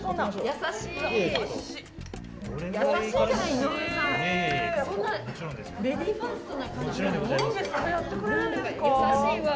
優しいわ。